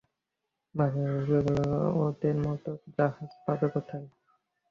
ভাবিয়া ভাবিয়া বলিল, ওদের মতো জাহাজ পাবে কোথায়?